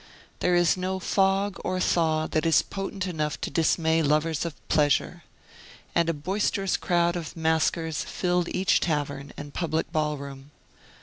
There is no fog or thaw that is potent enough to dismay lovers of pleasure. And a boisterous crowd of maskers filled each tavern, and public ballroom.